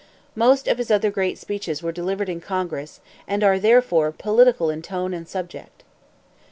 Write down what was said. Most of his other great speeches were delivered in Congress, and are, therefore, political in tone and subject.